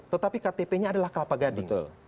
tetapi ktp nya adalah kelapa gading